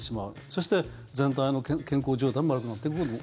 そして、全体の健康状態も悪くなってくる。